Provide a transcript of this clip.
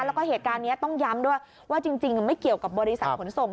แล้วก็เหตุการณ์นี้ต้องย้ำด้วยว่าจริงไม่เกี่ยวกับบริษัทขนส่ง